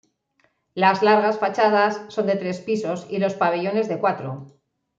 Las largas fachadas son de tres pisos y los pabellones de cuatro.